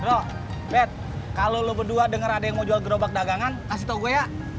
bro bet kalau lo berdua denger ada yang mau jual gerobak dagangan kasih tau gue ya